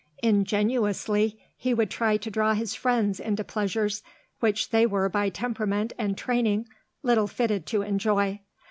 Ingenuously, he would try to draw his friends into pleasures which they were by temperament and training little fitted to enjoy.